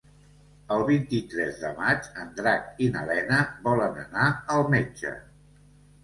El vint-i-tres de maig en Drac i na Lena volen anar al metge.